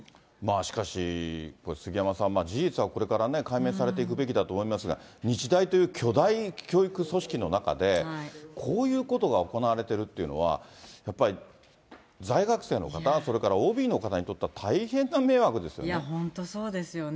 しかし、杉山さん、事実はこれから解明されていくべきだと思いますが、日大という巨大教育組織の中で、こういうことが行われているっていうのは、やっぱり在学生の方、それからＯＢの方にとっては、いや、本当そうですよね。